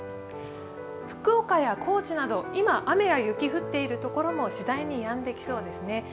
福岡や高知など今、雨や雪が降っているところも次第にやんできそうですね。